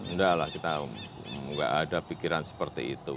enggak lah kita nggak ada pikiran seperti itu